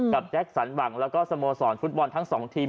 แจ็คสันหวังแล้วก็สโมสรฟุตบอลทั้งสองทีม